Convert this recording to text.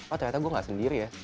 oh ternyata gue gak sendiri ya